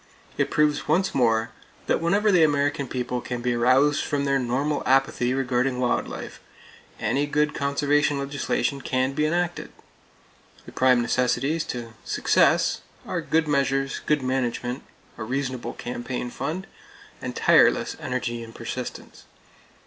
It proves once more that whenever the American people can be aroused from their normal apathy regarding wild life, any good conservation legislation can be enacted! The prime necessities to success are good measures, good management, a reasonable [Page 285] campaign fund, and tireless energy and persistence.